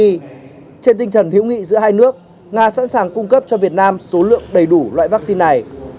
trên tinh thần hữu nghị giữa hai nước nga sẵn sàng cung cấp cho việt nam số lượng đầy đủ loại vaccine này